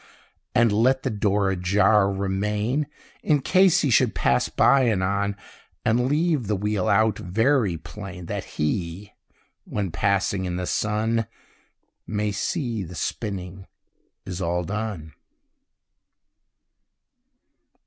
And let the door ajar remain, In case he should pass by anon; And leave the wheel out very plain, That HE, when passing in the sun, May see the spinning is all done.